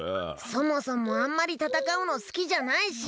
そもそもあんまりたたかうのすきじゃないし。